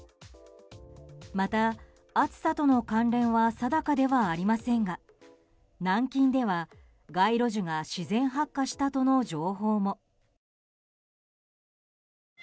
また、暑さとの関連は定かではありませんが南京では、街路樹が自然発火したとの情報も。